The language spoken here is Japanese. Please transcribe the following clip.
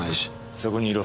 そこにいろ。